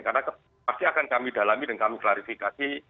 karena pasti akan kami dalami dan kami klarifikasi